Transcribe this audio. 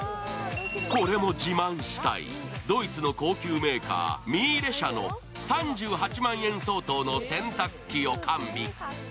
これも自慢したい、ドイツの高級メーカーミーレ社の３８万円相当の洗濯機を完備。